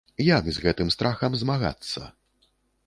Як з гэтым страхам змагацца?